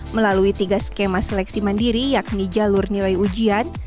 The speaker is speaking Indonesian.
melalui tiga skema seleksi mandiri yakni jalur nilai ujian